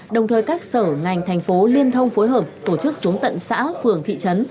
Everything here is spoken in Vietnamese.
đồng thời các sở ngành thành phố liên thông phối hợp tổ chức xuống tận xã phường thị trấn